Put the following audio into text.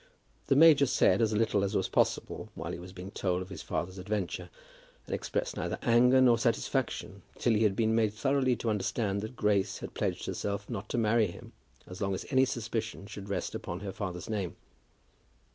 The major said as little as was possible while he was being told of his father's adventure, and expressed neither anger nor satisfaction till he had been made thoroughly to understand that Grace had pledged herself not to marry him as long as any suspicion should rest upon her father's name.